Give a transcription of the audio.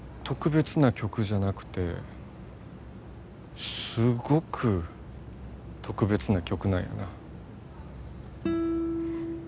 特別な曲じゃなくてすごく特別な曲なんやな。